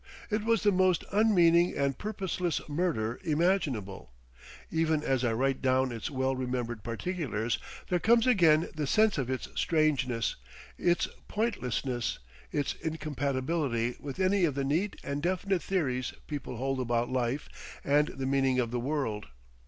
It was the most unmeaning and purposeless murder imaginable. Even as I write down its well remembered particulars there comes again the sense of its strangeness, its pointlessness, its incompatibility with any of the neat and definite theories people hold about life and the meaning of the world.